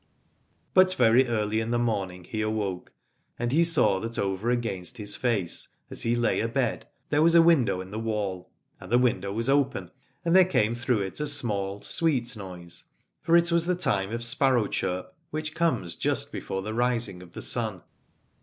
But very early in the morning he awoke, and he saw that over against his face as he lay abed there was a window in the wall. And the window was open, and there came through it a small sweet noise, for it was the time of sparrow chirp, which comes just before the rising of the sun.